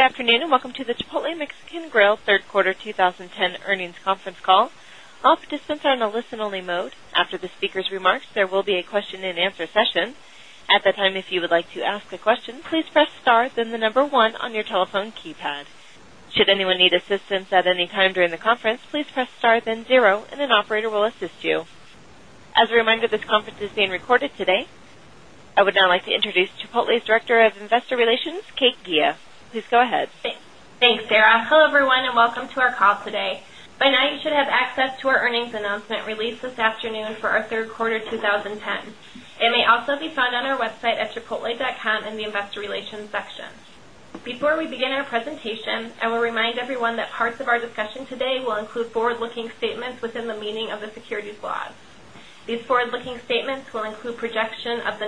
afternoon, and welcome to the Chipotle Mexican Grill Third Quarter 20 10 Earnings Conference Call. All participants are in a listen only mode. After the speakers' remarks, there will be a question and answer session. As a reminder, this conference is being recorded today. I would now like to introduce Chipotle's Director of Investor Relations, Kate Gia. Please go ahead. Thanks, Sarah. Hello, everyone, and welcome to our call today. By now, you should have access to our earnings announcement released this afternoon for our Q3 2010. It may also be found on our website at chipotle.com in the Investor Relations section. Before we begin our presentation, I will remind everyone that parts of our discussion today will include forward looking statements within the meaning of the securities laws. These forward looking statements will include projection of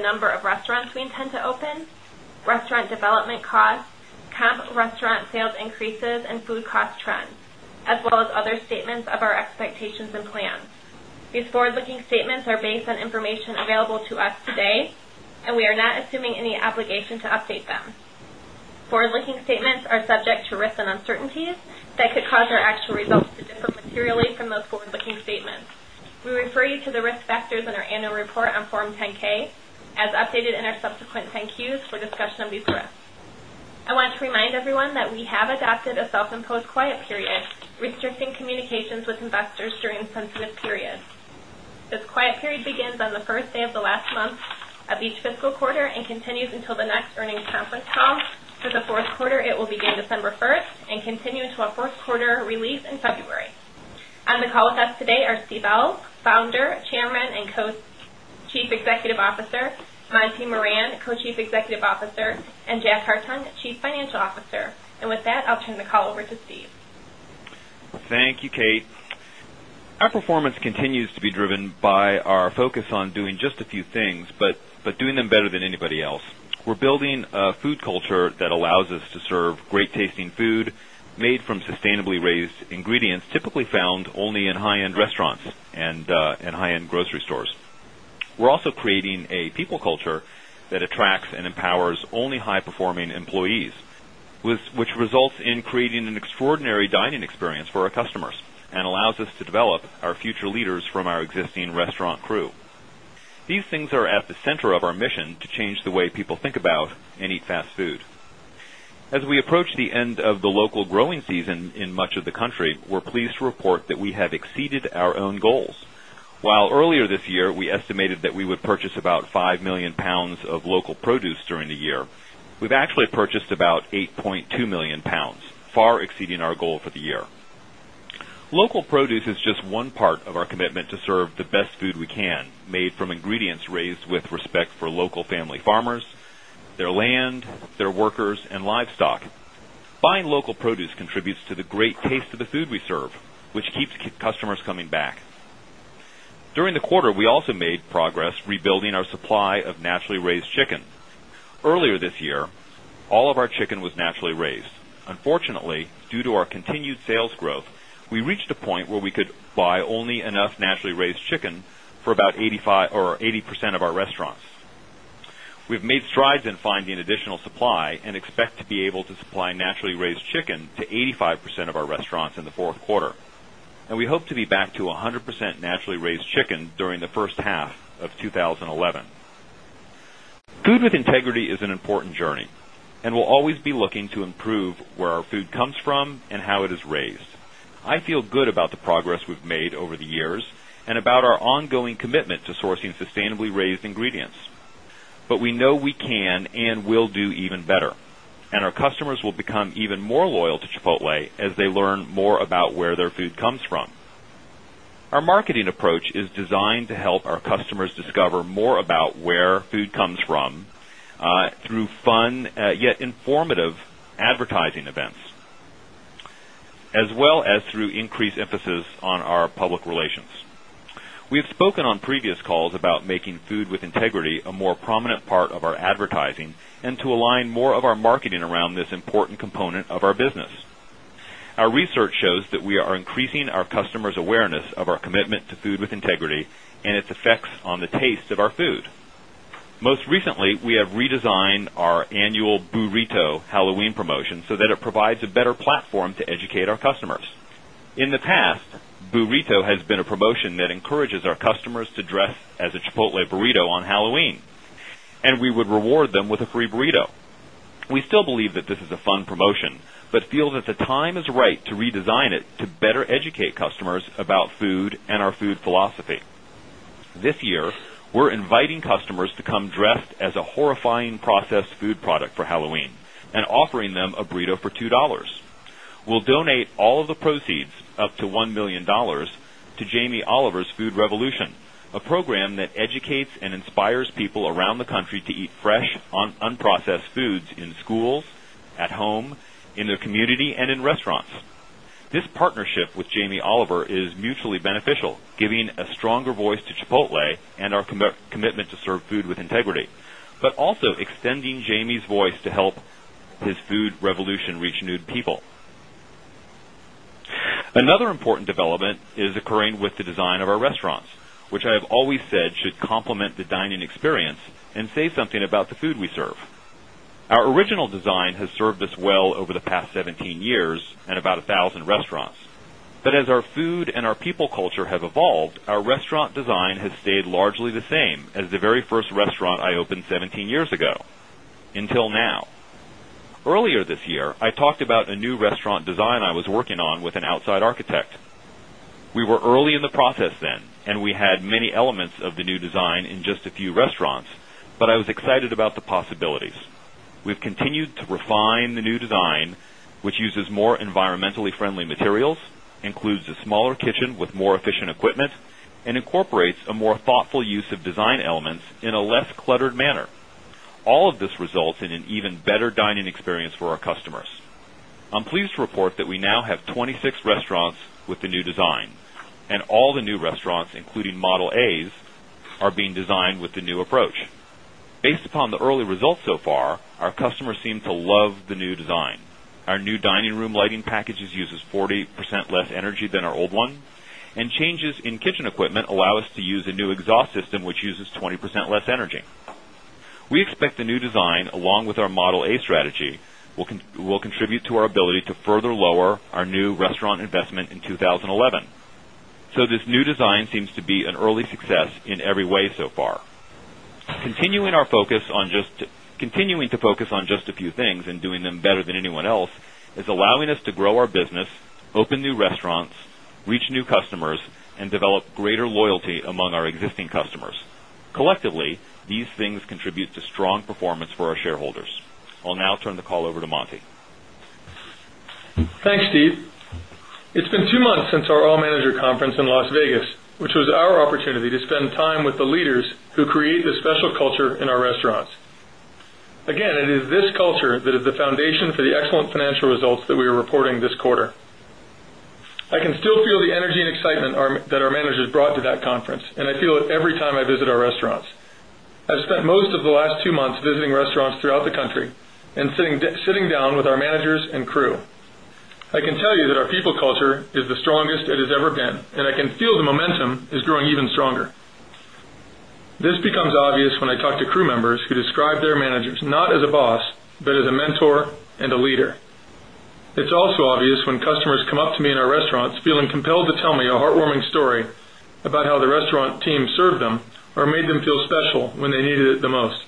our expectations and plans. These forward looking statements are based on information available to us today, and we are not assuming obligation to update them. Forward looking statements are subject to risks and uncertainties that could cause our actual results to differ materially from those forward looking statements. We refer you to the risk factors in our annual report on Form 10 ks as updated in our subsequent 10 Qs for a discussion of these risks. I want to remind everyone that we have adopted a self imposed quiet period, restricting communications with investors during the sensitive period. This quiet period begins on the 1st day of the last month of each fiscal quarter and continues until the next earnings conference call. For the Q4, it will begin December 1 and continue into our Q4 release in February. On the call with us today are Steve Ells, Founder, Chairman and Co Chief Executive Officer Monty Moran, Co Chief Executive Officer and Jack Hartung, Chief Financial Officer. And with that, I'll turn the call over to Steve. Thank you, Kate. Our performance continues to be driven by our focus on doing just a few things, but doing them better than anybody else. We're building a food culture that allows us to serve great tasting food made from sustainably raised ingredients typically found only in high end restaurants and high end grocery stores. We're also creating a people culture that attracts and empowers only high performing employees, which results in creating an extraordinary dining experience for our customers and allows us to develop our future leaders from our existing restaurant crew. These things are at the center of our mission to change the way people think about and eat fast food. As we approach the end of the local growing season in much of the country, we're pleased to report that we have exceeded our own goals. While earlier this year, we estimated that we would purchase about £5,000,000 of local produce during the year, we've actually purchased about £8,200,000 far exceeding our for the year. Local produce is just one part of our commitment to serve the best food we can made from ingredients raised with respect for local family farmers, their land, their workers and livestock. Buying local produce contributes to the great taste of the food we serve, which keeps customers coming back. During the quarter, we also made progress rebuilding our supply of our chicken was naturally raised. Unfortunately, due to our continued sales growth, we reached a point where we could buy only enough naturally raised chicken for about 80% of our restaurants. We've made strides in finding additional supply and expect to be able to supply naturally raised chicken to 85% of our restaurants in the 4th quarter. And we hope to be back to 100% naturally raised chicken during the first half of twenty eleven. Food with integrity is an important journey and we'll always be looking to improve where our food comes from and how it is raised. I feel good about the progress we've made over the years and about our ongoing commitment sourcing sustainably raised ingredients. But we know we can and will do even better, and our customers will become even more loyal to Chipotle as they learn more about where their food comes from. Our marketing approach is designed to help our customers discover more about where food comes from through fun yet informative advertising events, as a more prominent part of our advertising and to align more of our marketing around this important component of our business. Our research shows that we are we Most recently, we have redesigned our annual Burrito Halloween promotion so that it provides a better platform to educate our customers. In the past, Burrito has been burrito has been a promotion that encourages our customers to dress as a Chipotle burrito on Halloween, and we would reward them with a free burrito. We still believe that this is a year, we're inviting customers to come dressed as a horrifying processed food product for Halloween and offering them a burrito for $2 We'll donate all of the proceeds up to $1,000,000 to Jamie Oliver's Food Revolution, a program that educates and inspires people around the country to eat fresh on unprocessed foods in schools, at home, in their community and in restaurants. This partnership with Jamie Oliver is mutually beneficial, giving a stronger voice to Chipotle and our commitment to serve food with integrity, but also extending Jamie's voice to help his food revolution reach new people. Another important development is occurring with the the design has stayed largely the same as the very first restaurant I opened 17 years ago, until now. Earlier this year, I talked about a new restaurant design I was working on with an outside architect. We were early in the process then and we had many elements of the new design in just a few restaurants, but I was excited about the possibilities. We've continued to refine the new design, which uses more environmentally friendly materials, includes a smaller kitchen with more efficient equipment, and incorporates a more thoughtful use of design elements in a less cluttered manner. All of this results in an even better dining experience for our customers. I'm pleased to being designed with the new approach. Based upon the early results so far, our customers seem to love the new design. Our new dining room lighting packages uses 40% less energy than our old one and changes in kitchen equipment allow us to use a new exhaust system which uses 20% less energy. We expect the new design along with our Model A A strategy will contribute to our ability to further lower our new restaurant investment in 2011. So this new design seems to be an early success in every way so far. Continuing our focus on just continuing to focus on just a few things and doing them better than anyone else is allowing us to grow our business, open new restaurants, reach new customers, and develop greater loyalty among our existing Collectively, these things contribute to strong performance for our shareholders. I'll now turn the call over to Monty. Thanks, Steve. It's been 2 months since our All Manager Conference in Las Vegas, which was our opportunity to spend time with the leaders who create the special culture in our restaurants. Again, it is this culture that is the foundation for the excellent financial results that we are reporting this quarter. I can still feel the energy and excitement that our managers brought to that conference and I feel it every time I visit our restaurants. I've spent most of the last 2 months visiting restaurants throughout the country and sitting down with our managers and crew. I can tell you that our people culture is the strongest it has ever been, and I can feel the momentum is growing even stronger. This becomes obvious when I talk to crew members who describe their managers not as a boss, but as a mentor and a leader. It's also obvious when customers come up to me in our restaurants feeling compelled to tell me a heartwarming story about how the restaurant team served them or made them feel special when they needed it the most.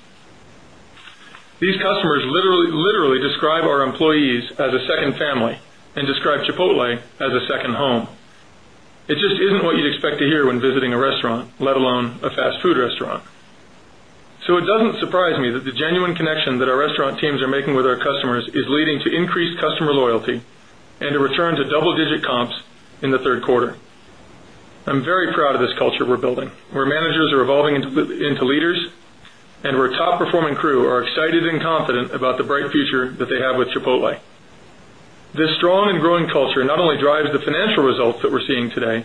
These customers literally describe our employees as a second family and describe Chipotle as a second home. It just isn't what you'd expect to hear when visiting a restaurant, let alone a fast food restaurant. So it doesn't surprise me that the genuine connection that our restaurant teams are making with our customers is leading to increased customer loyalty and a return to double digit comps in the Q3. I'm very proud of this culture we're building, where managers are evolving into leaders and where top performing crew are excited and confident about the bright future that they have with Chipotle. This strong and growing culture not only drives the financial results that we're seeing today,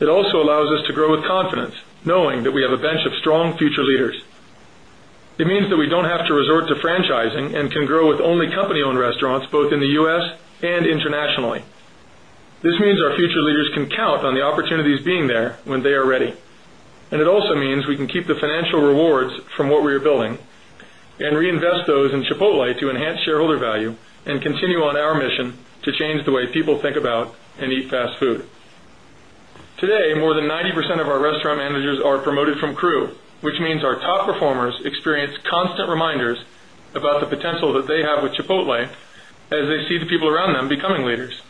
it also allows us to grow with confidence knowing that we have a bench of strong future leaders. It means that we don't have to resort to franchising and can grow with only company owned restaurants both in the U. S. And internationally. This means our future leaders can count on the opportunities being there when they are ready. And it also means we can keep the financial rewards from what we are building and reinvest those in Chipotle to enhance shareholder value and continue on our mission to change the way people think about and eat fast food. Today, more than 90% of our around them becoming leaders.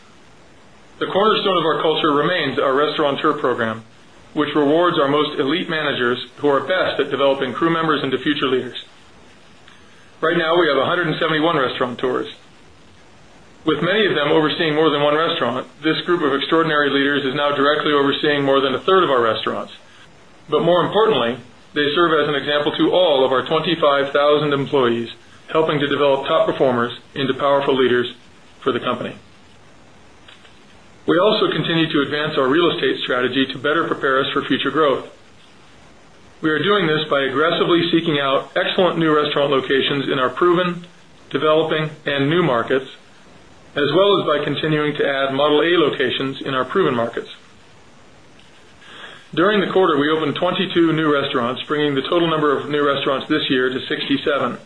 The cornerstone of our culture remains our restauranteur program, which rewards our most elite managers who are best at developing crew members into future leaders. Right now, we have 171 restaurant tours. With many of them overseeing more than one restaurant, this group of extraordinary leaders is now directly overseeing more than a third of our restaurants. But more importantly, they serve as an example to all of our 25,000 employees helping to develop top performers into powerful leaders for the company. We also continue to advance our real estate strategy to better prepare us for future growth. We are doing this by aggressively seeking out excellent new restaurant locations in our the quarter, we opened 22 new restaurants, bringing the total number of new restaurants this year to 67.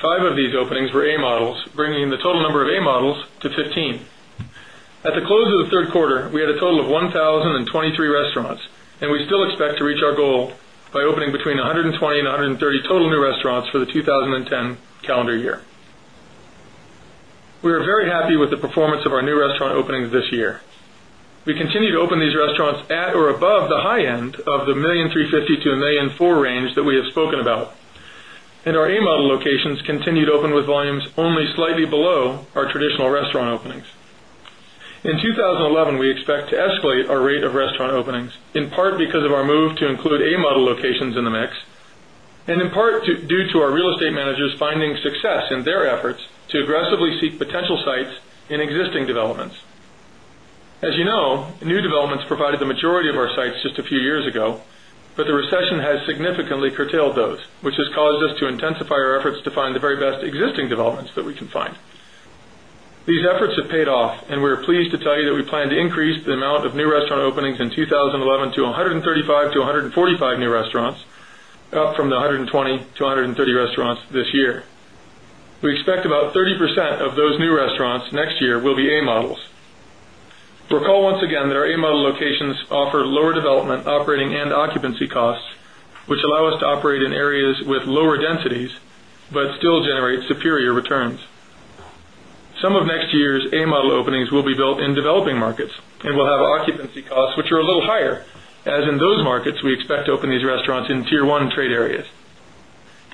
5 of these openings were A Models, bringing the total number of A Models to 15. At the close of the Q3, we had a total of 10 23 restaurants and we still expect to reach our goal by of our new restaurant openings this year. We continue to open these restaurants at or above the high end of the $1,350,000 to $1,400,000 range that we have spoken about. And our model locations continued open with volumes only slightly below our traditional restaurant openings. In 2011, we expect to escalate our rate of restaurant openings, in part because of our move to include A Model locations in the mix, and in part due to our real estate managers finding success in their efforts to aggressively seek potential sites in existing developments. As you know, new developments provided the majority of our sites just a few years ago, but the recession has significantly curtailed those, which has caused us to intensify our efforts to find the very best existing developments that we can find. These efforts have paid off and we are pleased tell you that we plan to increase the amount of new restaurant openings in 2011 to 135 to 145 new restaurants, up from the 120 to 130 restaurants this year. We expect about 30% of those new restaurants next year will be A Models. Recall once again that our A Model locations offer lower development operating and occupancy costs, which allow us to operate in areas with lower densities, but still generate superior returns. Some of next year's A Model openings will be built in developing markets and will have occupancy costs which are a little higher. As in those markets, we expect to open these restaurants in Tier 1 trade areas.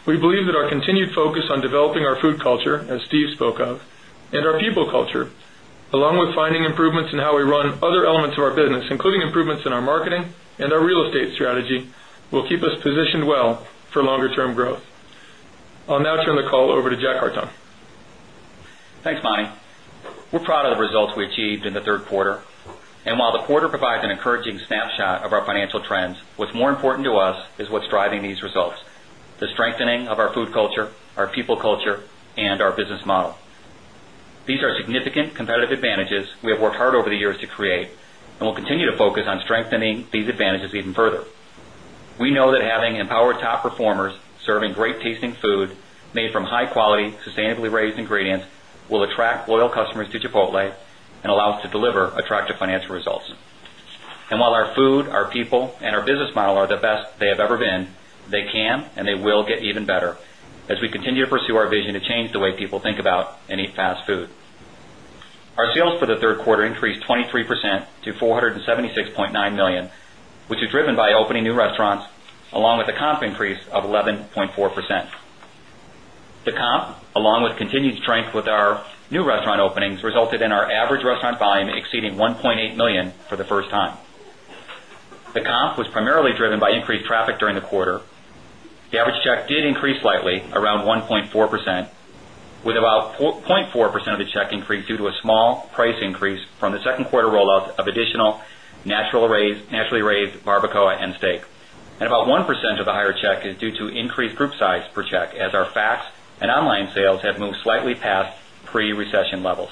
We believe that our continued focus on developing our food culture, as Steve spoke of, and our people culture, along with finding improvements in how we run other elements of our business, including improvements in our marketing and our real estate strategy will keep us positioned well for Q3. And while the quarter provides an encouraging snapshot of our financial trends, what's more important to us is what's driving these results, the strengthening of our food culture, our people culture and our business model. These are significant competitive advantages we have worked hard over the years to create and we'll continue to focus on attract loyal customers to Chipotle and allow us to deliver attractive financial results. And while our food, our people and our business model are the best they have ever been, they can and they will get even better as we continue to pursue our vision to change the way people think about and eat fast food. Our sales for the 3rd quarter increased 23 percent to $476,900,000 which is driven by opening new restaurants along with comp increase of 11.4%. The comp along with continued strength with our new restaurant openings resulted in our average restaurant volume exceeding $1,800,000 for the first time. The comp was primarily driven by increased traffic during the quarter. The average check did increase slightly around 1.4 percent with about 0.4% of the check increase due to a small price increase from the 2nd quarter rollout of additional naturally raised barbacoa and steak. And about 1% of the higher check is due to increased group size per check as our fax and online sales have moved slightly past pre recession levels.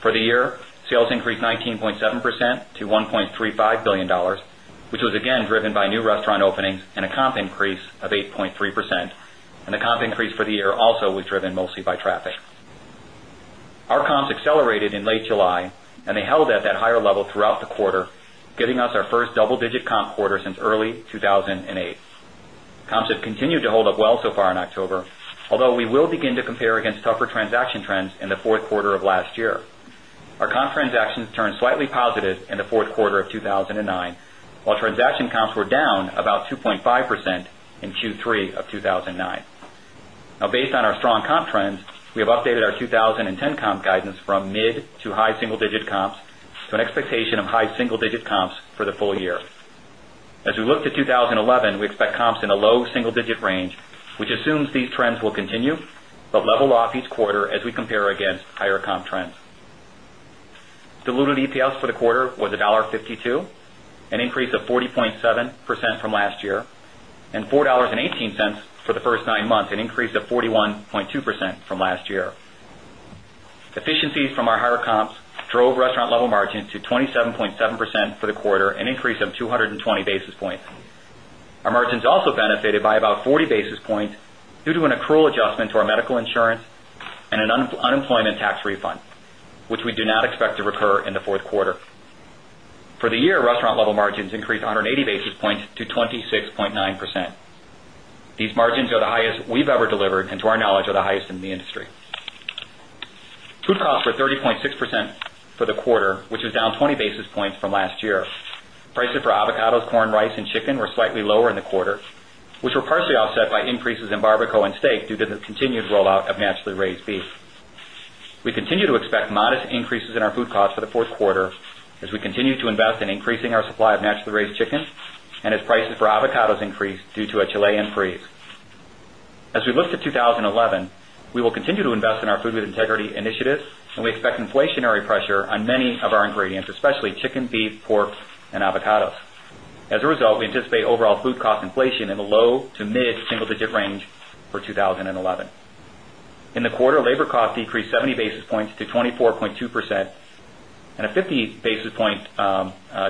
For the year, sales increased 19.7 percent to $1,350,000,000 which was again driven by new restaurant openings and a comp increase of 8.3 percent and the comp increase for the year also was driven mostly by traffic. Our comps accelerated in late July and they held at that higher level throughout the quarter, giving us our first double digit comp quarter since early 2 1008. Comps have continued to hold up well so far in October, although we will begin to compare against tougher transaction trends in the Q4 of last year. Our comp transactions turned slightly positive in the Q4 of 2,009, while transaction comps were down about 2.5 percent in Q3 of 2019. Now based on our strong comp trends, we have updated our 20 10 comp guidance from mid single digit comps to an expectation of high single digit comps for the full year. As we look to 2011, we expect comps in the low single digit range, which these trends will continue, but level off each quarter as we compare against higher comp trends. Diluted EPS for the quarter was 1 point $5.2 an increase of 40.7 percent from last year and $4.18 for the 1st 9 months, an increase of 41.2 percent from last year. Efficiencies from our higher comps drove restaurant level margin to 27.7% for the quarter, an increase of 2 20 basis points. Our margins also benefited by about 40 basis points due to an accrual adjustment to our medical insurance and an unemployment tax refund, which we do not expect to recur in the Q4. For the year, restaurant level margins increased 180 basis points to 26.9 percent. These margins are the highest we've ever delivered and to our knowledge are the highest in the industry. Food costs were 30.6% for the quarter, which down 20 basis points from last year. Prices for avocados, corn, rice and chicken were slightly lower in the quarter, which were partially offset by increases in barbecome steak due to the continued roll of naturally raised beef. We continue to expect modest increases in our food costs for the Q4 as we continue to invest in increasing our supply of 11, we will continue to invest in our food integrity initiatives and we expect inflationary pressure on many of our ingredients, especially chicken, beef, pork and avocados. As a result, we anticipate overall in the low to mid single digit range for 2011. In the quarter, labor cost decreased 70 basis points to 24.2 percent and a 50 basis point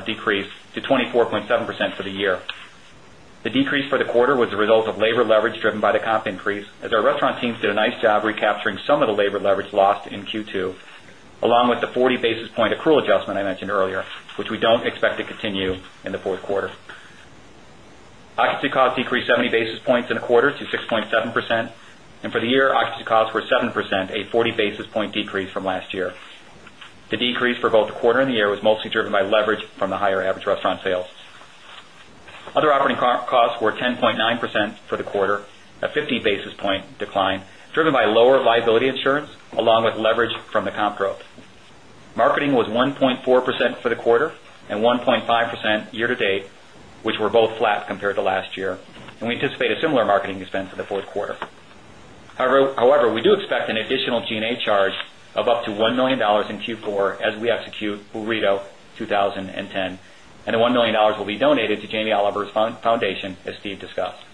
decrease to 24.7 percent for the year. The decrease for the quarter was a result of labor leverage driven by the comp increase as our restaurant teams did a nice job recapturing some of the labor leverage lost in Q2 along with the 40 basis point accrual adjustment I mentioned earlier, which we don't expect to continue in the Q4. Occupancy costs decreased 70 basis points in the quarter to 6.7% and for the year, occupancy costs were 7%, costs were 10.9% for the quarter, a 50 basis point decline driven by lower liability insurance along with leverage from the comp growth. Marketing was 1.4% for the quarter and 1.5% year to date, which were both to last year, and we anticipate a similar marketing expense for the Q4. However, we do expect an additional G and A charge of up to $1,000,000 in Q4 as we execute Urito 2010 and the $1,000,000 will be donated to Jamie Oliver's foundation as Steve discussed.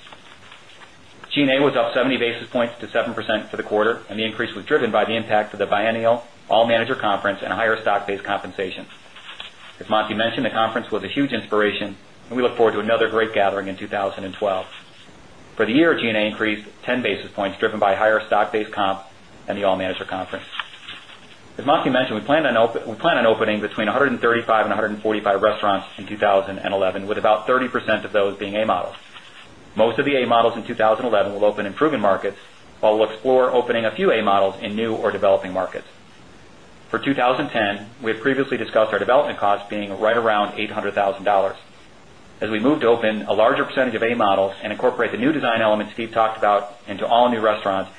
G and A was up 70 basis points to 7% for the quarter and the increase was driven by the impact of the biennial all manager conference and higher stock based compensation. As Monty mentioned, the conference was a huge inspiration and we look forward to another great gathering in 2012. For the year, G and A increased 10 basis points driven by higher stock based comp and the All Manager Conference. As Massey mentioned, we plan on opening between 135 145 restaurants in 2011 with about 30% of those being A models. Most of the A models in 2011 will open in proven markets, while we'll explore opening a few A models in new or developing markets. For 20 10, we have previously discussed our development costs being right around $800,000 As we move to open a larger percentage of A models and incorporate the new design elements Steve talked about into all new restaurants,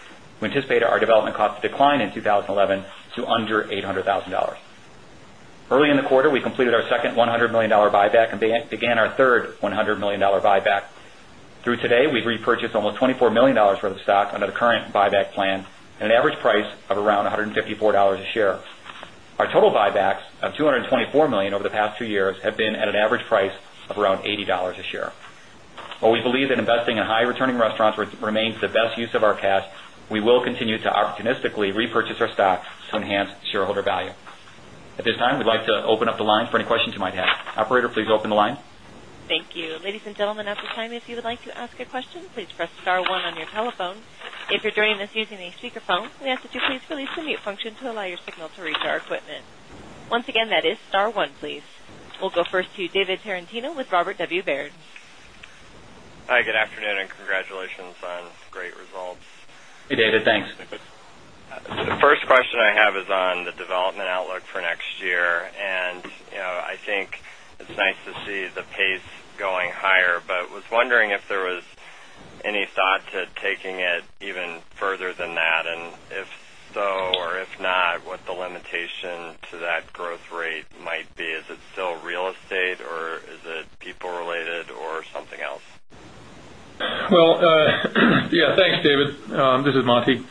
we anticipate our development costs to decline in 2011 to under $800,000 Early in the quarter, we completed our second $100,000,000 buyback and began our 3rd $100,000,000 buyback. Through today, we've repurchased almost $24,000,000 worth of stock under the current buyback plan at an average price of around $154 a share. Our total buybacks of $224,000,000 over the past 2 years have been at an average price of around $80 a share. While we believe that investing in high returning restaurants remains the best use of our cash, we will continue to opportunistically repurchase our stock to enhance shareholder value. At this time, we'd like to open the line for any questions you might have. Operator, please open the line. Thank We'll go first to David Tarantino with Robert W. Baird. Hi, good afternoon and congratulations on great results. Hey, David. Thanks. The first question I have is on the development outlook for next year. And I think it's nice to see the pace going higher, but I was wondering if there was any thought to taking it even further than that and if so or if not what the limitation to that growth rate might be? Is it still real estate or is it people related or something else? Well, yes, thanks, David. This is Monty.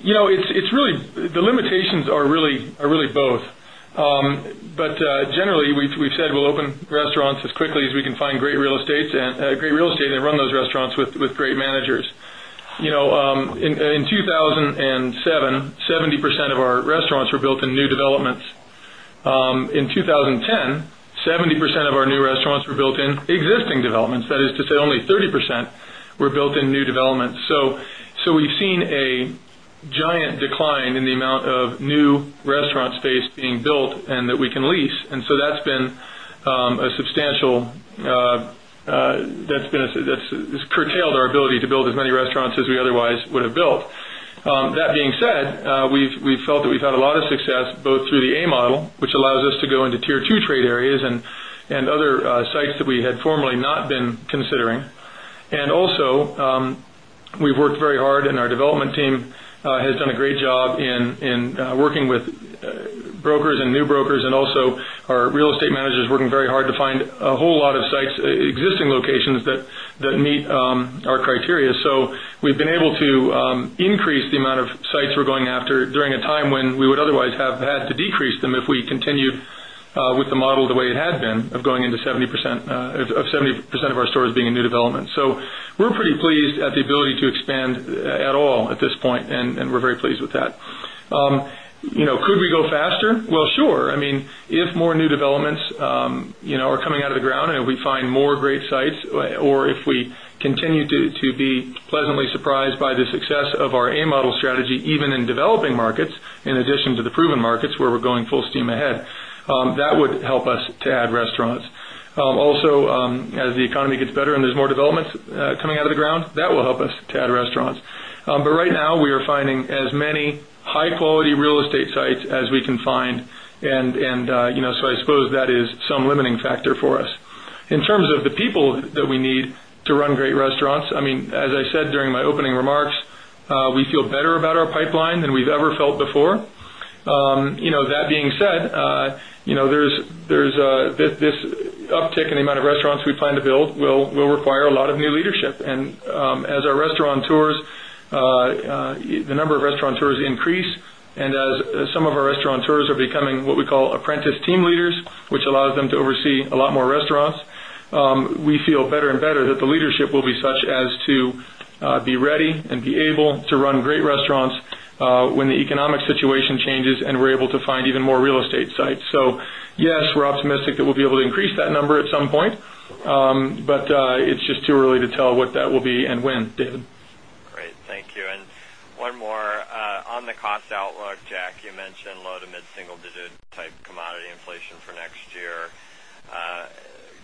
It's really the limitations are really both. But generally, we've said we'll open restaurants as quickly as we can find great real estate and run those restaurants with great managers. In 2,007, 70% of our restaurants were built in new developments. In 2010, 70% of our new restaurants were built in existing developments. That is to say only 30% were built in new developments. So, we've seen a giant decline in the amount of new restaurant space being built and that we can lease. And so that's been a substantial that's been curtailed our ability to build as many restaurants as we otherwise would have built. That being said, we felt that we've had a lot of success both through the A model, which allows us to go into Tier 2 trade areas and other sites that we had formerly not been considering. And also, we've worked very hard and our development team has done a great job in working with brokers and new brokers and also our real estate managers working very hard to find a whole lot of sites, existing locations that meet our criteria. So, we've been able to increase the amount of sites we're going after a time when we would otherwise have had to decrease them if we continue with the model the way it had been of going into 70% of 70% of our stores being in new development. So we're pretty pleased at the ability to expand at all at this point and we're very pleased with that. Could we go faster? Well, sure. I mean, if more new developments are coming out of the ground and we find more great sites or if we continue to be pleasantly surprised by the success of our A Model strategy even in developing markets, in addition to the proven markets where we're going full steam ahead, that would help us to add restaurants. Also, as the economy gets better and there's more developments coming out of the ground, that will help us to add restaurants. But right now, we are finding as many high quality real estate sites as we can find. And so I suppose that is some limiting factor for us. In terms of the people that we need to run great restaurants, I mean, as I said during my opening remarks, we feel better about our pipeline than we've ever felt before. That being said, there is this uptick in the amount of restaurants we plan to build will require lot of new leadership. And as our restaurant tours the number of restaurant tours increase and as some of our restaurant tours are becoming what we call team leaders, which allows them to oversee a lot more restaurants, we feel better and better that the leadership will be such as to be ready and be able to run great restaurants when the economic situation changes and we're able to find even more real estate sites. So yes, we're optimistic that we'll be able to increase that number at some point, But it's just too early to tell what that will be and when. David? Great. Thank you. And one more. On the cost outlook, Jack, you mentioned low to mid single digit type commodity inflation for next year.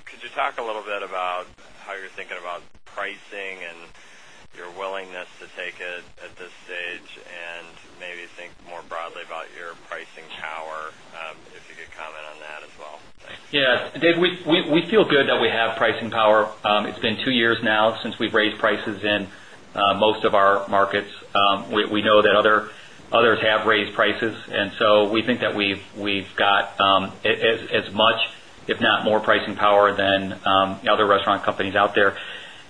Could you talk a little bit about how you're thinking about pricing and your willingness to take it at this stage and maybe think more broadly about your pricing power, if you could comment on that as well? Yes. Dave, we feel good that we have pricing power. It's been 2 years now since we've raised prices in most of our markets. We know that others have raised prices. And so we think that we've got as much if not more pricing power than other restaurant companies out there.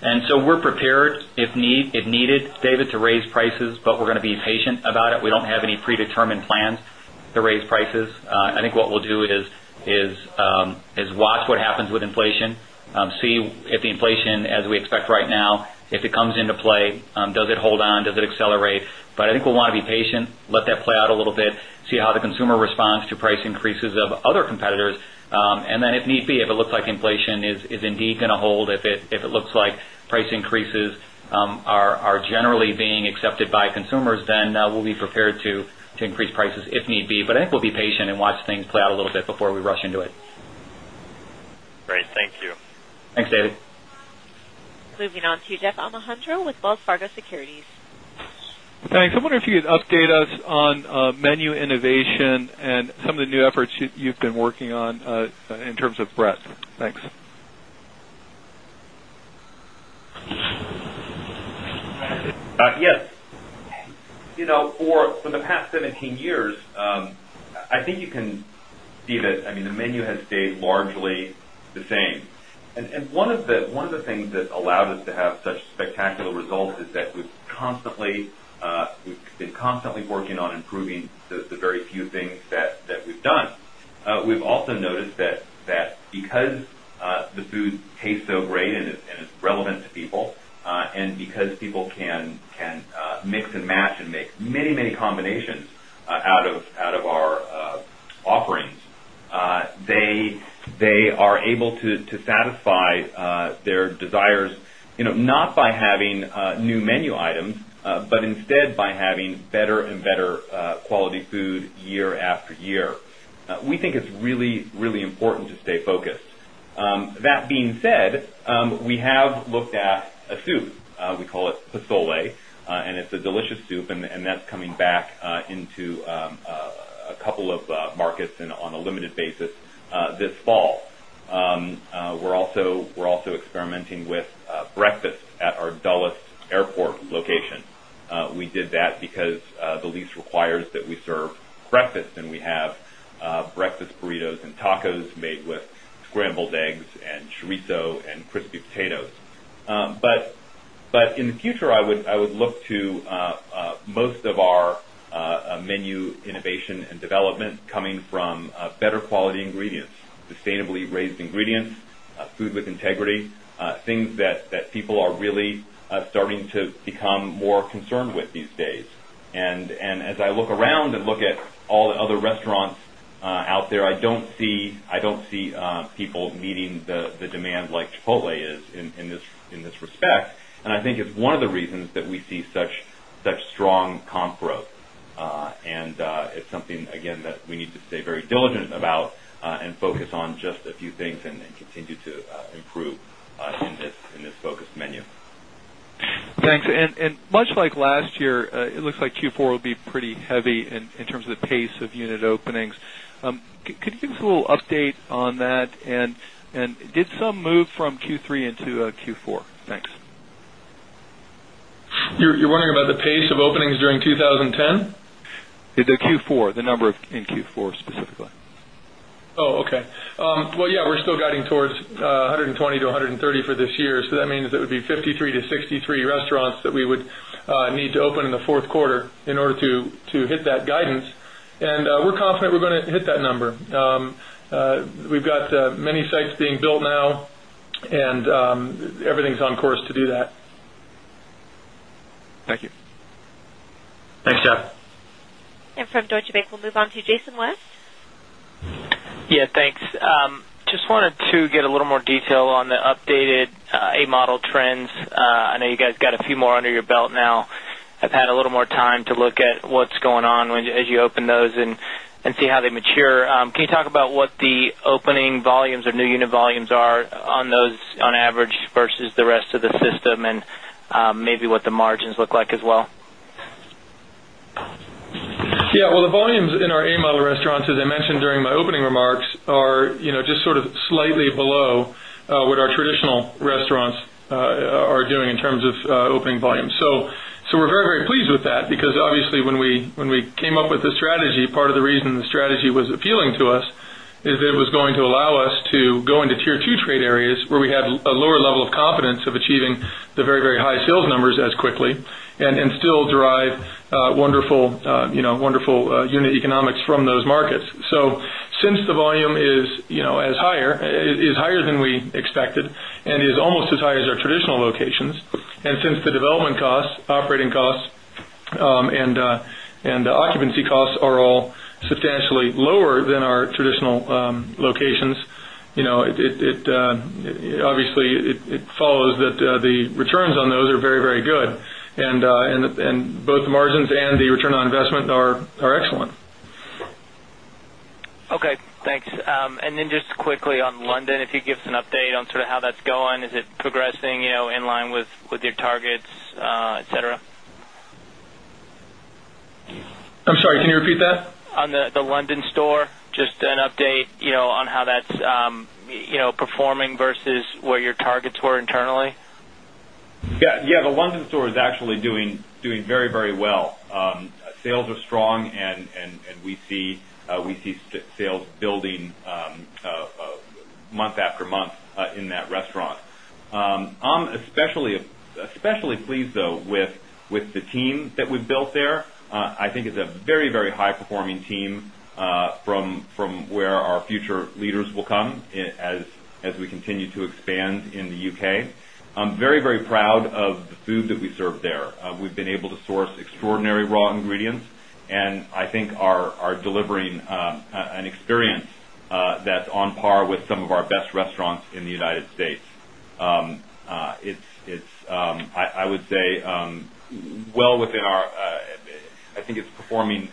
So we're prepared if needed, David, to raise prices, but we're going to be patient about it. We don't have any predetermined plans to raise prices. I think what we'll do is watch what happens with inflation, see if the inflation as we expect right now, if it comes into play, does it hold on, does it accelerate. But I think we want to be patient, let that play out a little bit, see how the consumer responds to increases of other competitors. And then if need be, if it looks like inflation is indeed going to hold, if it looks like price increases are generally being accepted by consumers, then we'll be prepared to increase prices if need be. But I think we'll be patient and watch things play out a little bit before we rush into it. Great. Thank you. Thanks, David. Moving on to Jeff Alejandro with Wells Fargo Securities. Thanks. I wonder if you could update us on menu innovation and some of the new efforts you've been working on in terms of breadth? Thanks. Yes. For the past 17 years, I think you can see that, I mean, the menu has stayed largely the same. And one of the things that allowed us to have such spectacular results is that we've constantly been constantly working on improving the very few things that we've done. We've also noticed that because the food tastes so great and it's relevant to people and because people can mix and match and make many, many combinations out of our offerings. They are able to quality food year after year. We think it's really, really important to stay focused. That being said, we have looked at a soup. We call it posole and it's a delicious soup and that's coming back into a couple of markets and on a limited basis this fall. We're also experimenting with breakfast and we have breakfast burritos and tacos made with scrambled eggs and chorizo and crispy potatoes. But in the future, I would to most of our menu innovation and development coming from better quality ingredients, sustainably raised ingredients, food with integrity, things that people are really starting to become more concerned with these days. And as I look around and look at all the other restaurants out there, I don't see people meeting the demand like Chipotle is in this respect. And I think it's one of the reasons that we see such strong comp growth. And it's something again that we need to stay very diligent about and focus on just a few things and continue to improve in this focused menu. Thanks. And much like last year, it looks like Q4 will be pretty heavy in terms of the pace of unit openings. Could you give us a little update on that? And did some move from Q3 into Q4? Thanks. You're wondering about the pace of openings during 2010? The Q4, the number in Q4 specifically. Okay. Well, yes, we're still guiding towards 120 to 130 for this year. So that means that would be 53 to 63 restaurants that we would need to open in the Q4 in order to hit that guidance. And we're confident we're going to hit that number. We've got many sites being built now and everything is on course to do that. Thank you. Thanks, Jeff. And from Deutsche Bank, we'll move on to Jason West. Yes, thanks. Just wanted to get a little more detail on the updated A Model trends. I know you guys got a few more under your belt now. I've had a little more time to look at what's going on as you open those and see how they mature. Can you talk about what the opening volumes or new unit volumes are on those on average versus the rest of the system and maybe what the margins look like as well? Yes. Well, the volumes in our A Model restaurants, as I mentioned during my opening remarks, are just sort of slightly below what our traditional restaurants are doing in terms of opening volumes. So, we're very, very pleased with that because obviously when we came up with the strategy, part of the reason the strategy was appealing to us is it was going to allow us to go into Tier 2 trade areas where we had a lower level of confidence of achieving the very, very high sales numbers as quickly and still drive wonderful unit economics from those markets. So, since the volume is higher than we expected and is almost as high as our traditional locations, and since the development costs, operating costs and occupancy costs are all substantially lower than our traditional locations. It obviously, it follows that the returns on those are very, very good. And both margins and the return on investment are excellent. Okay. Thanks. And then just quickly on London, if you us an update on sort of how that's going? Is it progressing in line with your targets, etcetera? I'm sorry, can you repeat that? On the London store, just an update on how that's performing versus where your targets were internally? Yes. The London store is actually doing very, very well. Sales are strong and we see sales building month after month in that restaurant. I'm especially pleased though with the team that we've built there. I think it's a very, very high performing team from where our future leaders will come as we continue to expand in the UK. I'm very, very proud of the food that we serve there. We've been able to source extraordinary raw ingredients. United States. It's I would say well within our I think it's performing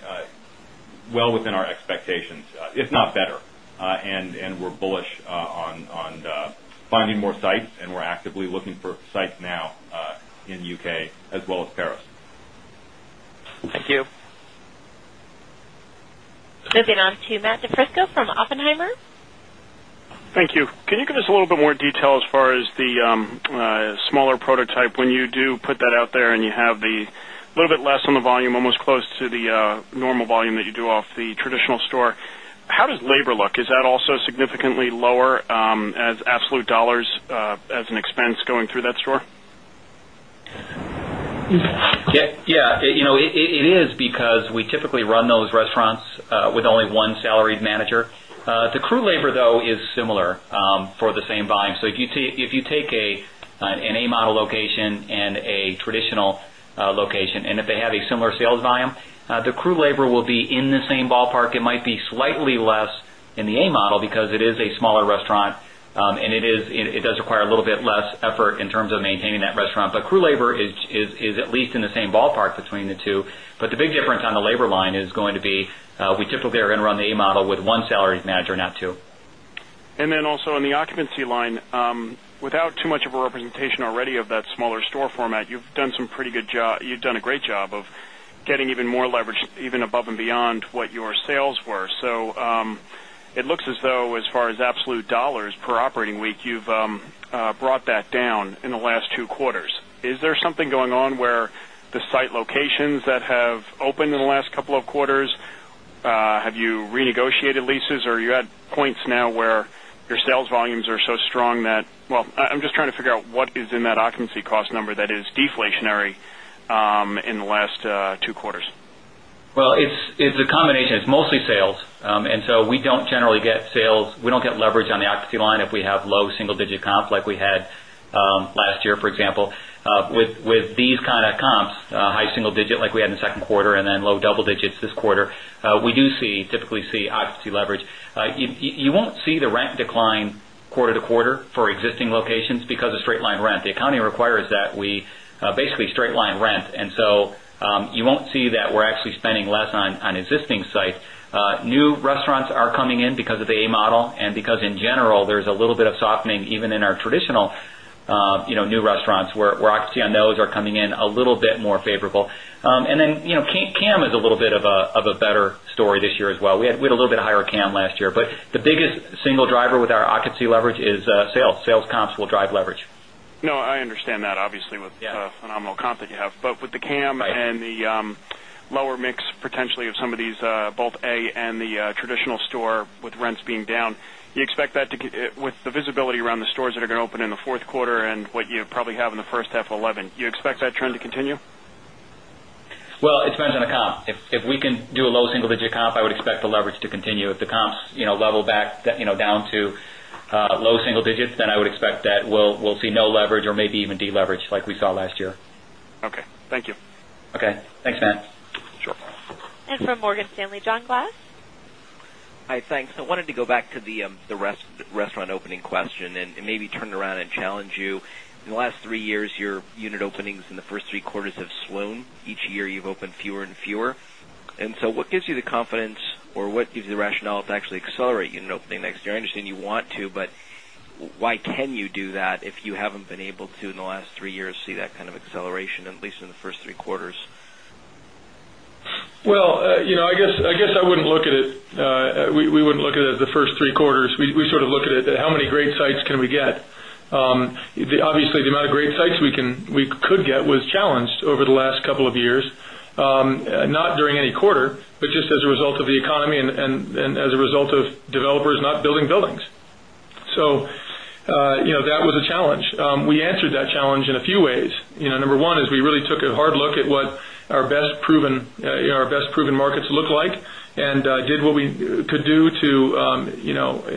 well within our expectations, if not better. And we're bullish on expectations, if not better. And we're bullish on finding more sites and we're actively looking for sites now in UK as well as Paris. Thank you. Moving on to Matt DiFrisco from Oppenheimer. Thank you. Can you give us a little more detail as far as the smaller prototype when you do put that out there and you have the little bit less on the volume, almost close to the normal volume that you do off the traditional store. How does labor look? Is that also significantly lower as absolute dollars as an expense going through that store? Yes. It is because we typically run those restaurants with only one salaried manager. The crew labor though is similar for the same volume. So if you take an A model location and a traditional location and if they have a similar sales volume, the crew labor will be in the same ballpark. It might be slightly less in the A model because it is a smaller restaurant and it does require a little bit less effort in terms of maintaining that restaurant. But crew labor is at least in the same ballpark between the 2. But the big difference on the labor line is going to be we typically are going the A model with 1 salary manager, not 2. And then also on the occupancy line, without too much of a representation already of that smaller store format, you've done some pretty good job you've done a great job of getting even more leverage even above and beyond what your sales were. So it looks as though as far as absolute dollars per operating week, you've brought that down in the last two quarters. Is there something going on where the site locations that have opened in the last couple of quarters, have you renegotiated leases or are you at points now where your sales volumes are so strong that well, I'm just trying to figure out what is in occupancy cost number that is deflationary in the last two quarters? Well, it's a combination. It's mostly sales. And so we don't generally get sales, we don't get leverage on the occupancy line if we have low single digit comps like we had last year, for example. With these kind of comps, high single digit like we had in the 2nd quarter and then low double digits this quarter, we do see typically occupancy leverage. You won't see the rent decline quarter to quarter for existing locations because of straight line rent. The accounting requires that we basically straight line rent. And so, you won't see that we're actually spending less on existing site. New restaurants are coming in because of the A model and because in general there's a little bit of softening even in our traditional new restaurants where occupancy on those are coming in a little bit more favorable. And then CAM is a little bit of a better story this year as well. We had a little bit higher CAM last year, but the biggest single driver with our occupancy leverage is sales. Sales comps will drive leverage. No, I understand that obviously with the phenomenal comp that you have, but with the CAM and the lower mix potentially of some of these both A and the traditional store with rents being down, do you expect that to with the visibility around the stores that are going to open in the 4th quarter and what you probably have in the first half of 'eleven, you expect that trend to continue? Well, it depends on the comp. If we can do a low single digit comp, I would expect the leverage to continue. If the comps level back down to low single digits, then I would expect that we'll see no leverage or maybe deleverage like we saw last year. Okay. Thank you. Okay. Thanks, Matt. Sure. And from Morgan Stanley, John Glass. Hi, thanks. I wanted to go back to the restaurant opening question and maybe turn around and challenge you. In the last 3 years, your unit openings in the 1st 3 quarters have swoon. Each year, you've opened fewer and fewer. And so what gives you the confidence or what gives you the rationale to actually accelerate unit opening next? Year? I understand you want to, but why can you do that if you haven't been able to in the last 3 years see that kind of acceleration at least in the 1st 3 quarters? Well, I guess I wouldn't look at it. We wouldn't look at it the 1st three quarters. We sort of look at it at how many great sites can we get. Obviously, the amount of great sites we could get was challenged over the last couple of years, not during any quarter, but just as a result of the economy and as a result of developers not building buildings. So, that was a challenge. We answered that challenge in a few ways. Number 1 is we really took a hard look at what our best proven markets look like and did what we could do to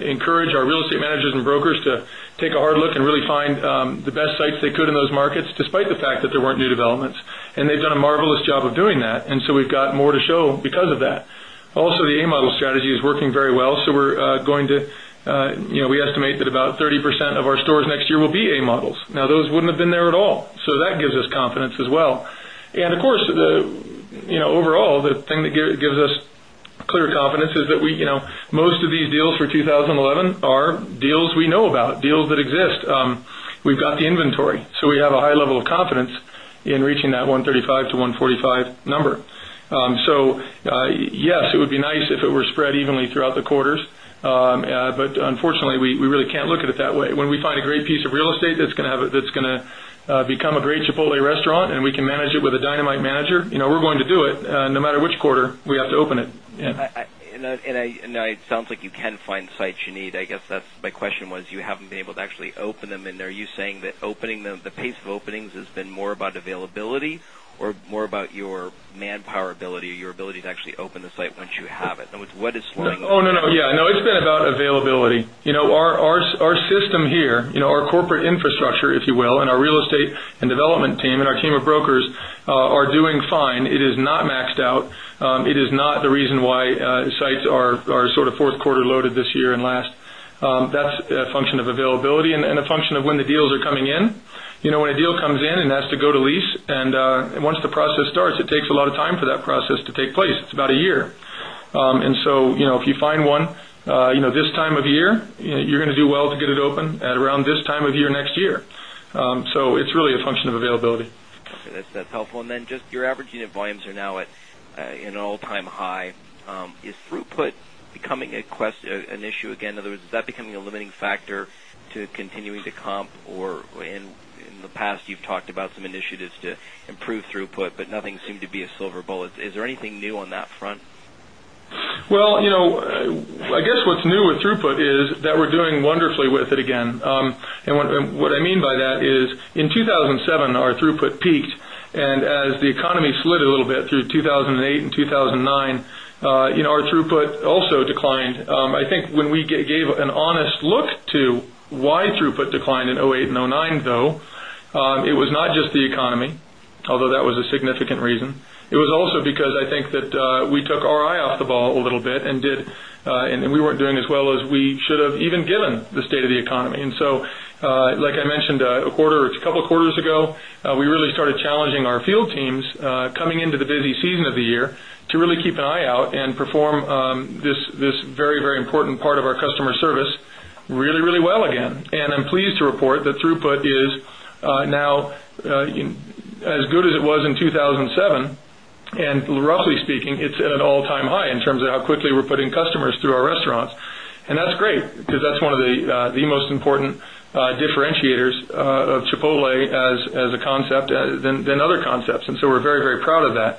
encourage our real estate managers and brokers to take a hard look and really find the best sites they could in those markets, despite the fact that there weren't new developments. And they've done a marvelous job of doing that. And so we've got more to show because of that. Also, the A Model strategy is working very well. So we're going to we estimate that about 30% of our 2011 are deals we know that we most of these deals for 2011 are deals we know about, deals that exist. We've got the inventory. So, we have a high level unfortunately, we really can't look at it that way. When we find a great piece of real estate that's going to have it that's going to become a great Chipotle restaurant and we can manage it with a dynamite manager, we're going to do it no matter which quarter we have to open it. And it sounds like you can find sites you need. I guess that's my question was you haven't been able to actually open them. And are you saying that opening them the pace of openings has been more about availability or more about your manpower ability, your ability to actually open the site once you have it? And what is slowing? No, no, no. Yes. No, it's been about availability. Our system here, our corporate infrastructure, if you will, and our real estate and development team and our team of brokers are doing fine. It is not maxed out. It is not the reason why sites are sort of 4th quarter loaded this year and last. That's a function of availability and a function of when the deals are coming in. When a deal comes in and has to go to lease and once the process starts, it takes a lot of time for that process to take place. It's about a year. And so, if you find 1 this time of year, you're going to do well to get it open at around this time of year next year. So, it's really a function of availability. Okay. That's helpful. And then just your average unit volumes are now at an all time high. Is throughput becoming an issue again? In other words, is that becoming a limiting factor to continuing to comp? Or in the past, you've talked about some initiatives to improve throughput, but nothing seemed to be a silver bullet. Is there anything new on that front? Well, I guess what's new with throughput is that we're doing wonderfully with it again. And what I mean by that is in 2,007 our throughput peaked and as the economy slid a little bit through 2,008 and 2,009, our throughput also declined. I think when we gave an honest look to why throughput declined in 'eight and 'nine though, it was not just the economy, although that was a significant And so, like I mentioned a quarter or it's a couple of quarters ago, we really started challenging our field teams coming into the busy season of the year to really keep an eye out and perform this very, very important part of our customer service really, really well again. And I'm pleased to report that throughput is now as good as it was in 2,007. And roughly speaking, it's at an all time high in terms of how quickly we're putting customers through our restaurants. And that's great, because that's one of the most important differentiators of Chipotle as a concept than other concepts. And so, we're very, very proud of that.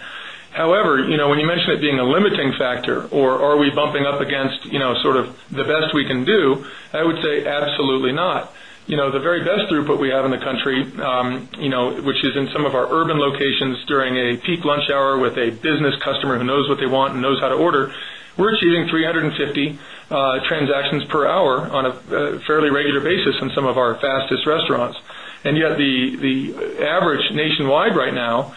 However, when you mentioned it being a limiting factor or are we bumping up against sort of the best we can do, I would say absolutely not. The very best throughput we have in the country, which is in some of our urban locations during a peak lunch hour with a business customer who knows what they want and knows what they want and regular basis in some of our fastest restaurants. And yet the average nationwide right now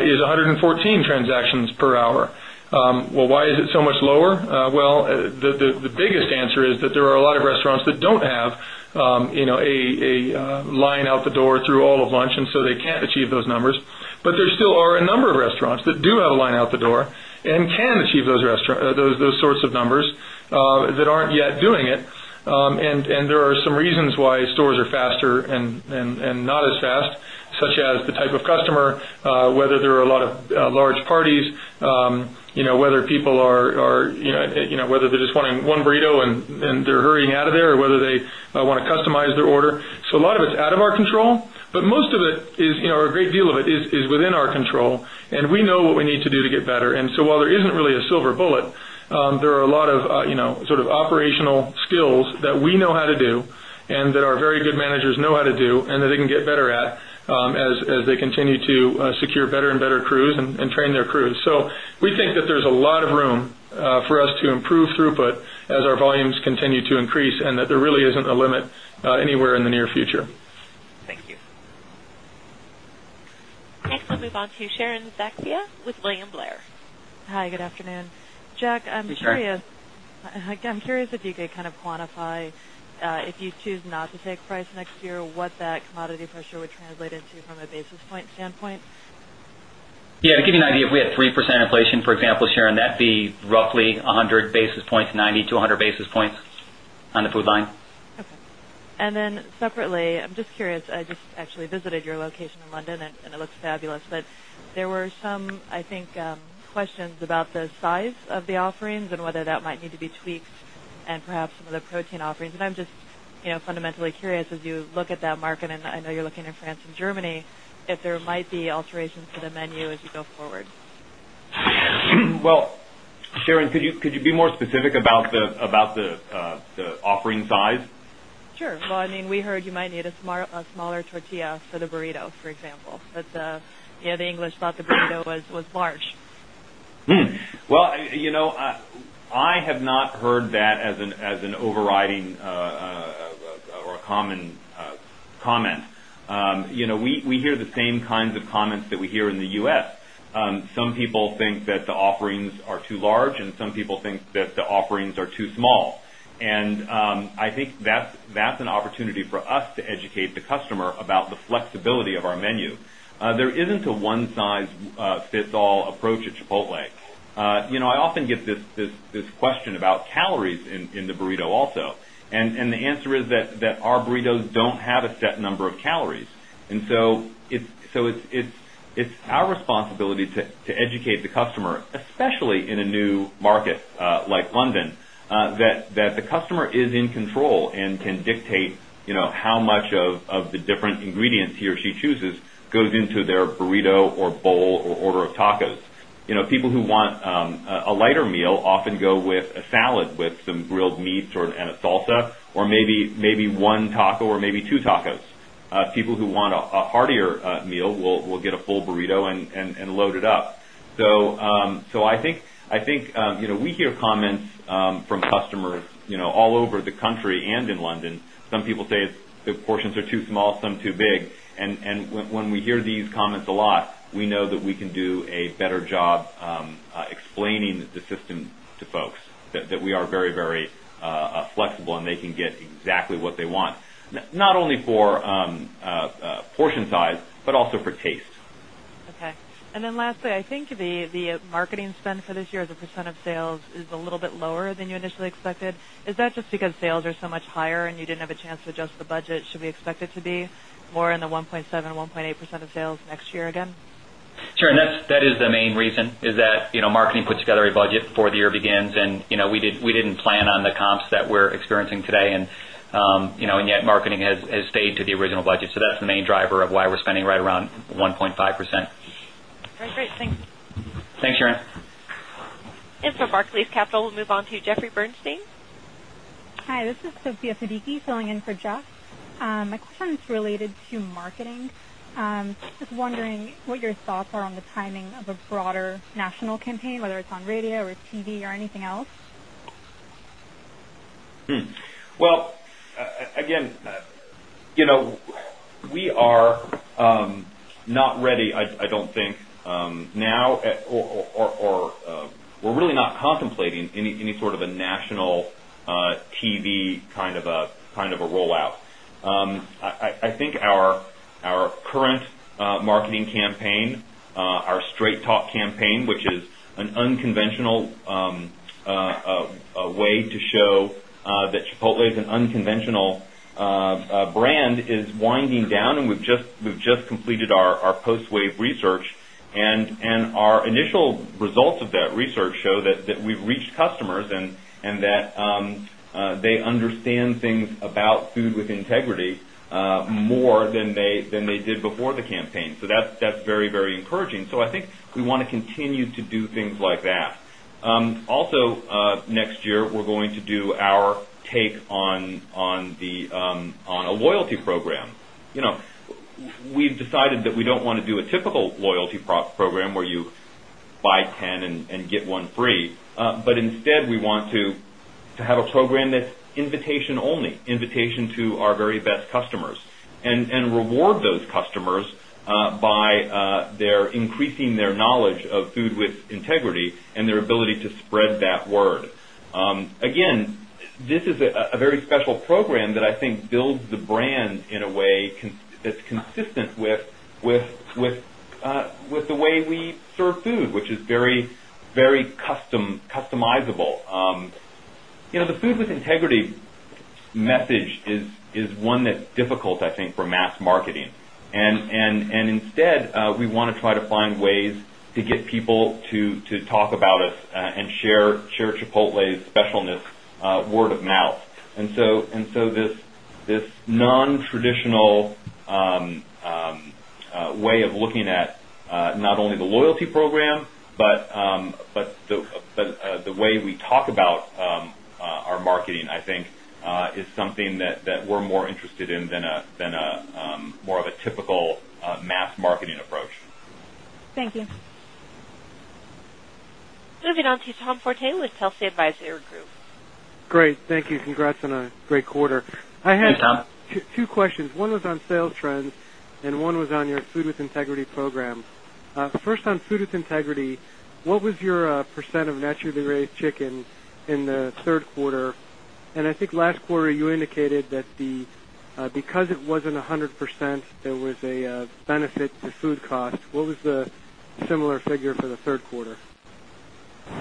is 114 transactions per hour. Well, why is so much lower? Well, the biggest answer is that there are a lot of restaurants that don't have a line out the door through all of lunch and so they can't achieve those numbers. But there still are a number of restaurants that do have a line out the door and can achieve those sorts of numbers that aren't yet doing it. And there are some reasons why stores are faster and not as fast, such as the type of customer, whether there are a lot of large parties, whether people are whether they're just wanting one burrito and they're hurrying out of there or whether they want to customize their order. So a lot of it's out of our control, but most of it is a great deal of it is within our control and we know what we need to do to get better. And so while there isn't really a silver bullet, there are a lot of sort of operational skills that we know how to do and that our very good managers know how to do and that they can get better at as they continue to secure better and better crews and train their crews. So we think that there's a lot of room for us to improve throughput as our volumes continue to increase and that there really isn't a limit anywhere in the near future. Thank you. Next, we'll move on to Sharon Zackfia with William Blair. Hi, good afternoon. Jack, I'm curious if you could kind of quantify if you choose not to take price next year, what that commodity pressure would translate into from a basis point standpoint? Yes. To give you an idea, if we had 3% inflation, for example, Sharon, that'd be roughly 100 90 basis points to 100 basis points on the food line. Okay. And then separately, I'm just curious, I just actually visited your location in London and it looks fabulous. But there were some, I think, questions about the size of the offerings and whether that might need to be tweaked and perhaps some of the protein offerings? And I'm just fundamentally curious as you look at that market and I know you're looking at France and Germany, if there might be alterations to the menu as you go forward? Well, Sharon, Well, I mean, we heard you might need a smaller tortilla for the burrito, for example, but the English thought the burrito was large. Well, I have not heard that as an overriding or a comment. We hear the same kinds of comments that we hear in the U. S. Some people think that the offerings are too large and some people think that the offerings are too small. And I think that's an opportunity for us to educate the customer about the flexibility of our menu. There isn't a one size fits all approach at Chipotle. I often get this question about calories in the burrito also. And the answer is that our burritos don't have a set number of calories. And so it's our responsibility to educate the customer, especially in a new market like London, that the customer is in control and can dictate how much of different ingredients he or she chooses goes into their burrito or bowl or order of tacos. People who want a lighter meal often go with a salad with some grilled meat and a salsa or maybe 1 taco or maybe 2 tacos. People who want a heartier meal will get a full burrito and load it up. So I think we comments from customers all over the country and in London. Some people say the portions are too small, some too big. And when we hear these comments a lot, we know that we can do a better job explaining the system to folks that we are very, very flexible and they can get exactly what they want, not only for portion size, but also for taste. Okay. And then lastly, I think the marketing spend for this year as a percent of sales is a little bit lower than you initially expected. Is that just because sales are so much higher and you didn't have a chance to adjust the budget? Should we expect it to be more in the 1.7% to 1.8% of sales next year again? Sure. And that is the main reason is that marketing puts together a budget before the year begins and we didn't plan on the comps that we're experiencing today and yet marketing has stayed to the original budget. So that's the main driver of why we're spending right around 1.5%. And for Barclays Capital, we'll move on to Jeffrey Bernstein. Hi. This is Sofia Sadiki filling in for Jeff. My question is related to marketing. Just wondering what your thoughts are on the timing of a broader national campaign, whether it's on radio or TV or anything else? Well, again, we are not ready, I don't think, now or we're really not contemplating any sort of a national TV kind of a rollout. I think our current marketing campaign, our straight talk campaign, which is an unconventional way to show is winding down and we've just completed our post wave research. And our initial results of that research show that we've reached customers and that they understand things about food with integrity more than they did before the campaign. So that's very, very encouraging. So I think we want to continue to do things like that. Also, next year, we're going to do our take on the on a loyalty program. We've decided that we don't want to do a typical loyalty program where you buy 10 and get one free. But instead, we want to have a program that's invitation only, invitation to our very best customers and reward those customers by their increasing their knowledge of food with integrity and their ability to spread that word. Again, this is a very special program that I think builds the brand in a way that's consistent with the way we serve food, which is very, very customizable. The food with integrity message is one that's difficult I think for mass marketing. And instead, we want to try to find ways to get people to talk about us and share Chipotle's specialness word-of-mouth. And so this nontraditional the way we talk about our marketing, I think, is something that we're more interested in than a more of a typical mass marketing approach. Thank you. Moving on to Tom Forte with Telsey Advisory Group. Great. Thank you. Congrats I have two questions. One was on sales trends and one was on your food with integrity program. First on Food With Integrity, what was your percent of naturally raised chicken in the Q3? And I think last quarter you indicated that the because it wasn't 100%, there was a benefit to food cost. What was the similar figure for the Q3?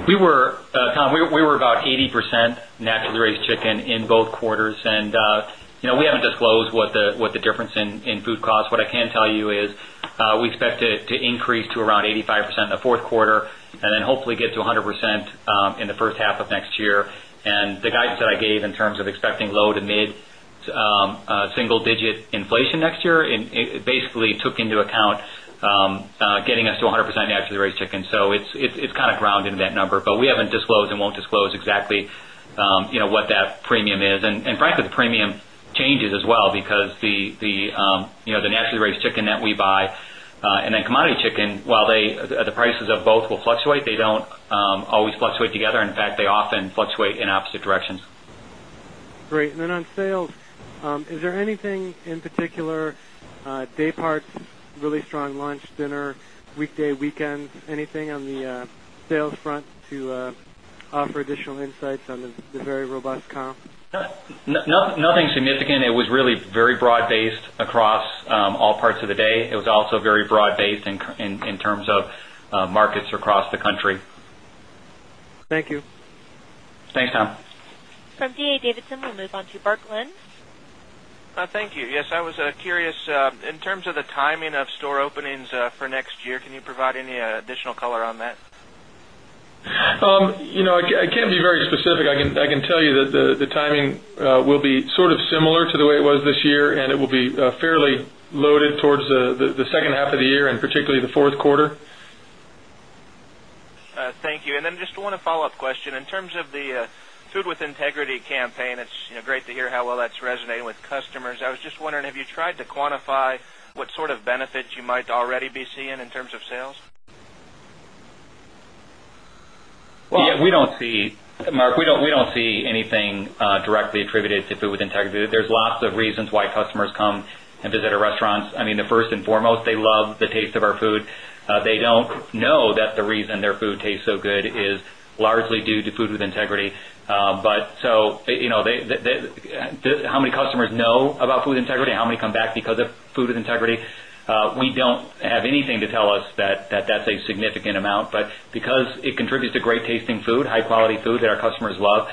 We were Tom, we were about 80% naturally raised chicken in both quarters and we haven't disclosed what the difference in food cost. What I can tell you is, we expect it to increase to around 85% in the 4th quarter and then hopefully get to 100% in the first half of next year. And the guidance that I gave in terms of expecting low to mid single digit inflation next year. It basically took into account getting us to 100% naturally raised chicken. So it's kind of ground in that number, but we haven't disclosed and won't disclose exactly what that premium is. And frankly, the premium changes as well because the naturally raised chicken that we buy and then commodity chicken, while the prices of both will fluctuate, they don't always fluctuate together. In fact, they often fluctuate in opposite directions. Great. And then on sales, is there anything in particular, dayparts, really strong launch dinner, weekday, weekends, anything on the sales front to offer additional insights on the very robust comp? Nothing significant. It was really very broad based across all parts of the day. It was also very broad based in terms of markets across the country. Thank you. Thanks, Tom. From D. A. Davidson, we'll move on to Bart Glynn. Thank you. Yes, I was curious in terms of the timing of store openings for next year, can you provide any additional color on that? I can't be very specific. I can tell you that the timing will be sort of similar to the way it was this year and it will be fairly loaded towards the second half of the year and particularly the Q4. Thank you. Then just one follow-up question. In terms of the Food With Integrity campaign, it's great to hear how well that's resonating with customers. I was just wondering, have you tried to quantify what sort of benefits you might already be seeing in terms of sales? We don't see Mark, we don't see anything Mark, we don't see anything directly attributed to food with Integrity. There's lots of reasons why customers come and visit our restaurants. I mean, the first and foremost, they love the taste of our food. They don't know that the reason their food tastes so good is largely due to food with integrity. But so, how many customers know about food integrity, how many come back because of food with integrity, we don't have anything to tell us that that's a significant amount, but because it contributes to great tasting food, high quality food that our customers love,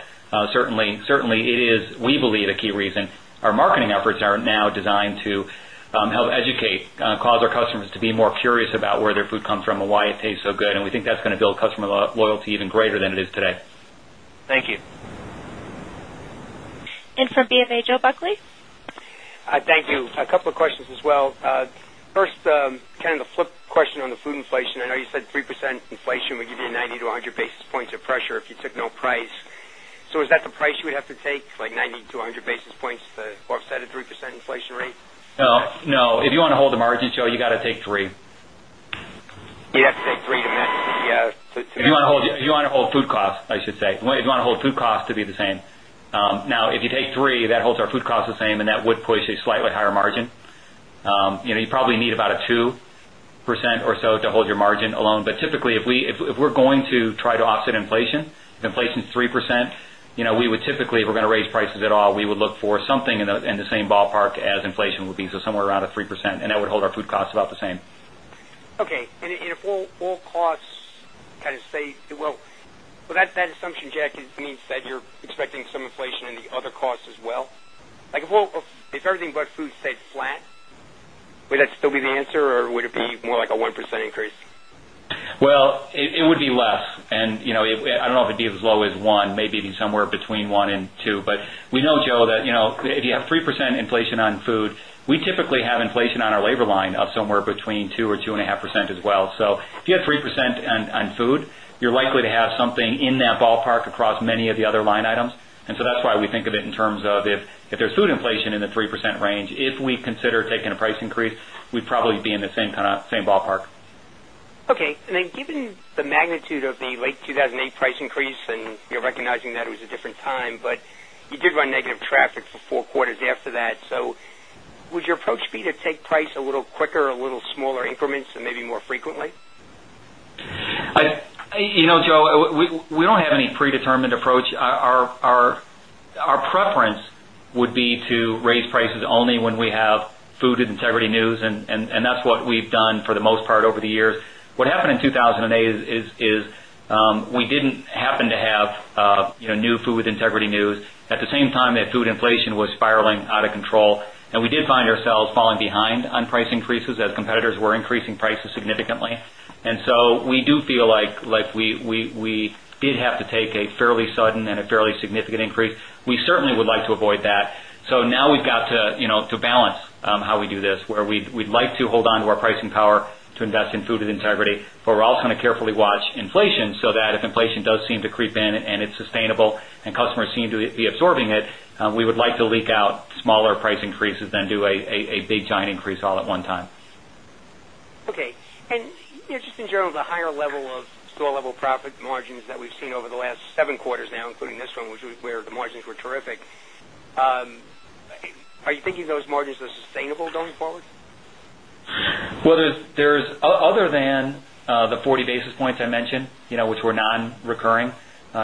certainly it is, we believe, a key reason. Our marketing efforts are now designed to help educate, cause our customers to be more curious about where their food comes from and why it tastes so good. We think that's going to build customer loyalty even greater than it is today. Thank you. And from BofA, Joe Buckley. Thank you. A couple of questions as well. First, kind of the flip question on the food inflation. I know you said 3% inflation would give you 90 basis points to 100 basis points of pressure if you took no price. So is that the price you would have to take, like 90 basis points to 1 if you took no price. So is that the price you would have to take like 90 to 100 basis points to offset a 3% inflation rate? No. If you want to hold the margin, Joe, you got to take 3%. You have to take 3 to that. If you want to hold food cost, I should say, if you want to hold food cost to be the same. Now, if you take 3, that holds our food cost the same and that would push a slightly higher margin. You probably need about a 2% or so to hold your margin alone. But typically, if we're going to try to offset inflation, inflation is 3%, we would typically if we're going to raise prices at all, we would look for something in the same ballpark as inflation will be somewhere around a 3% and that would hold our food costs about the same. Okay. And if all costs kind of stay well, that assumption, Jack, means that you're expecting some inflation in the other costs as well? Like if everything but food stayed flat, would that still be the answer or would it be more like a 1% increase? Well, it would be less. And I don't know if it'd be as low as 1, maybe somewhere between 12, but we know, Joe, that if you have 3% inflation on food, we typically have inflation on our labor line of somewhere between 2% or 2.5% as well. So if you have 3% on food, you're likely to have something in that ballpark across many of the other line items. And so that's why we of it in terms of if there's food inflation in the 3% range, if we consider taking a price increase, we'd probably be in the same kind of same ballpark. And then given the magnitude of the late 2,008 price increase and you're recognizing that it was a different time, but you did run negative traffic for 4 quarters after that. So would your approach be to take price a little quicker, a little smaller increments and maybe more frequently? Joe, we don't prices only when we have food integrity news, and that's what we've done for the most part over the years. What happened in 2,008 is, we didn't happen to have new food integrity news. At the same time, that food inflation was spiraling out of control. And we did find ourselves falling behind on price increases as competitors were increasing prices significantly. And so we do feel like we did have to take a fairly sudden and a fairly significant increase. We certainly would like to avoid that. So now we've got to balance how we do this, where we'd like to hold on to our pricing power to invest in food and integrity, but we're also going to leak out smaller price increases than do a big giant increase all at one time. Okay. And just in general, the higher level of store level profit margins that we've seen over the last 7 quarters now, including this one, which was where the margins were terrific. Are you thinking those sustainable going forward? Well, there is other than the 40 basis points I mentioned, which non recurring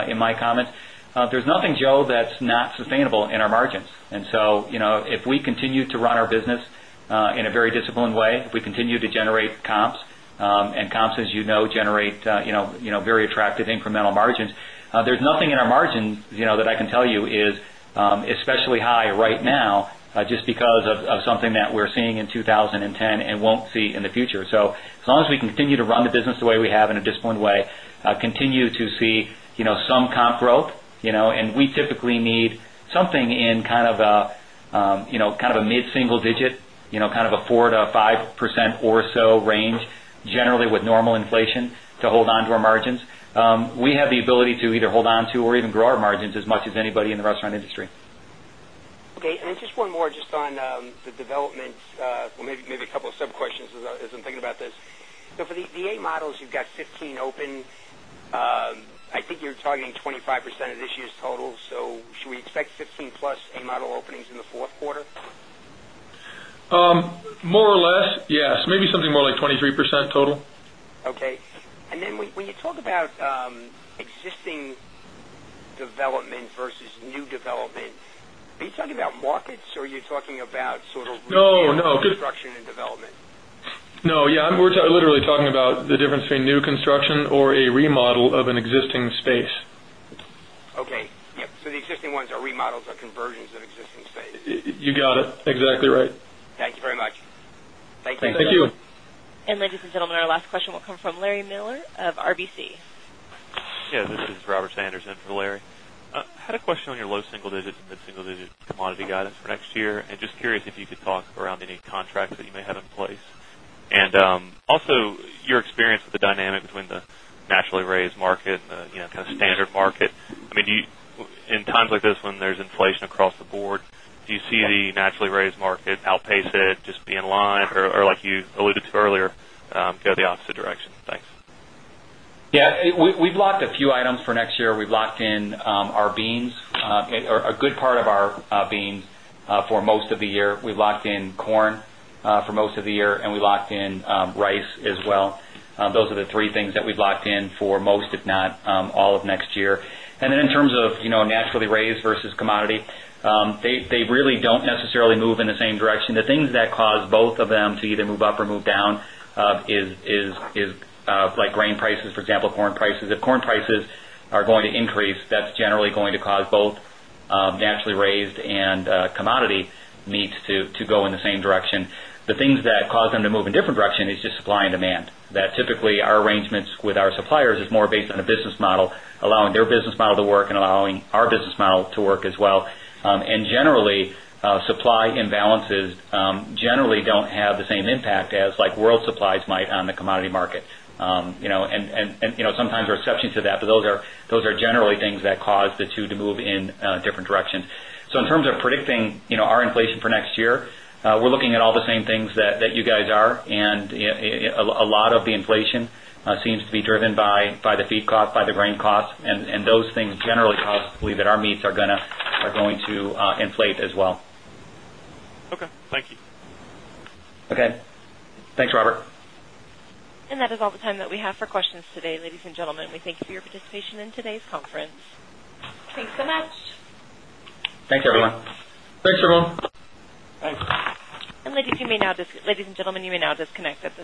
in my comments, there is nothing Joe that's not sustainable in our margins. And so, if we continue to run our business in a very disciplined way, if we continue to generate comps and comps as you know generate very attractive incremental margins. There's nothing in our margins that I can tell you is especially high right now just because of something that we're seeing in 20 10 and won't see in the future. So, as long as we continue to run the business the way we have in a disciplined way, continue to see some comp growth and we typically need something in kind of a mid single digit, kind of a 4% to 5% or so range generally with normal inflation to hold on to our margins. We have the ability to either hold on to or even grow our margins as much as anybody in the restaurant industry. And then just one more just on the development, maybe a couple of sub questions as I'm thinking about this. So for the 8 models, you've got 15 open. I think you're targeting 25% of this year's total. So should we expect 15 A Model openings in the Q4? More or less, yes, maybe something more like 23% total. Okay. And then when you talk about existing development versus new development, are you talking about markets or are you talking about No, no. Construction and development? No, yes, we're literally talking about the difference between new construction or a remodel of an existing space. So the existing ones are remodels or conversions of existing space? You got it. Exactly right. Thank you very much. Thank you. And ladies and gentlemen, our last question will come from Larry Miller of RBC. Yes. This is Robert Sanderson for Larry. I had a question on your low single digit and mid single digit commodity guidance for next year. And just curious if you could talk around any contracts that you may have in place? And also your experience with the dynamics when the raised market outpace it, just be in line or like you alluded to earlier, go the opposite direction? Thanks. Yes. We've locked a few items for next year. We've locked in our beans, a good part of our beans for most of the year. We've locked in corn for most of the year and we locked in rice as well. Those are the three things that we've locked in for most, if not all of next year. And then in terms of naturally raised versus commodity, they really don't necessarily move in the same direction. The things that cause both of them to either move up or move down is like grain prices, for example, corn prices. If corn prices are going to increase, that's generally going to cause both naturally raised and commodity meat to go in the same direction. The things that cause them to move in direction is just supply and demand, that typically our arrangements with our suppliers is more based on the business model, allowing their business model to work and allowing our business model to work as well. And generally, supply imbalances generally don't have the same impact as like world supplies might on the commodity market. And sometimes there are exceptions to that, but those are generally things that cause the 2 to move in different directions. So in terms of predicting our inflation for next year, we're looking at all the same things that you guys are and a lot of the inflation seems to be driven by the feed cost, by the grain cost and those things generally cause to believe that our meats are going to inflate as well. And that is all the time that we have for questions today. Ladies and gentlemen, we thank for your participation in today's conference. Thanks so much. Thanks, everyone. Thanks, everyone. Thanks. And ladies and gentlemen, you may now disconnect.